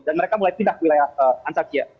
dan mereka mulai pindah ke wilayah antakya